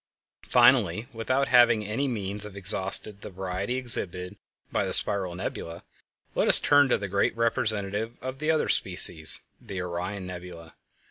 Finally, without having by any means exhausted the variety exhibited by the spiral nebulæ, let us turn to the great representative of the other species, the Orion Nebula.